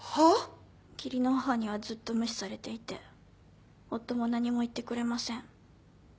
義理の母にはずっと無視されていて夫も何も言ってくれません。